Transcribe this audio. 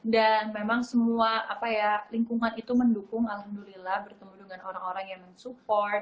dan memang semua apa ya lingkungan itu mendukung alhamdulillah bertemu dengan orang orang yang support